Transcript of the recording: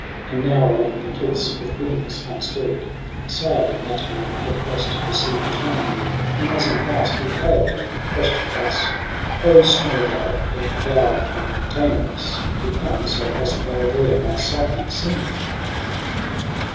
And now along the cliffs with wings unstir'd Sail'd, and that morn had cross'd the sea between ; Whom as he past he haii'd, and questioned thus, ' O snowy gull, if thou from Taenarus Be come, say, hast thou there my Psyche seen